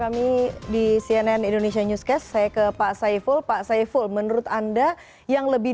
mbak eva itu sudah